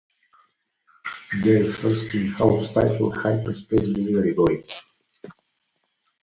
Their first in-house title, Hyperspace Delivery Boy!